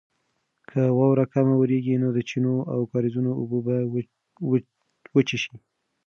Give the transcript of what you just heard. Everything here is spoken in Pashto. که واوره کمه وورېږي نو د چینو او کاریزونو اوبه به وچې شي.